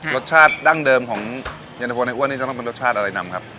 รสชาติดั้งเดิมของเย็นตะโฟในอ้วนนี่จะต้องเป็นรสชาติอะไรนำครับ